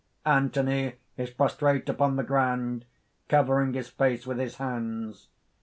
(_Anthony is prostrate upon the ground, covering his face with his hands.